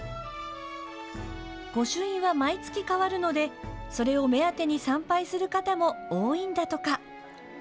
御朱印は毎月変わるのでそれを目当てに参拝する方も多いのだとか。